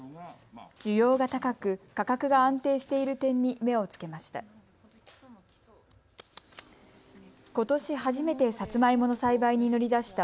需要が高く価格が安定している点に目をつけました。